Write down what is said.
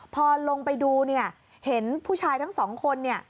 พอลงไปดูเห็นผู้ชายทั้ง๒คน